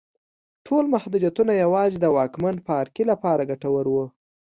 ټول محدودیتونه یوازې د واکمن پاړکي لپاره ګټور وو.